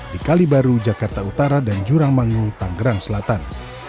di kalibaru jakarta utara dan jurang mangu tanggerang selatan